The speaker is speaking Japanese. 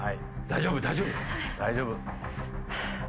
大丈夫大丈夫。